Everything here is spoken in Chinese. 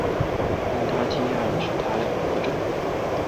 令他讶异的是她还活着